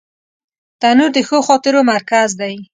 تنور د ښو خاطرو مرکز دی